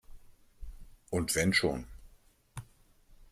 Und wenn schon!